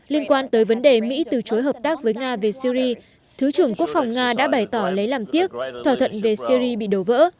liên quan tới vấn đề mỹ từ chối hợp tác với nga về syri thứ trưởng quốc phòng nga đã bày tỏ lấy làm tiếc thỏa thuận về syri bị đổ vỡ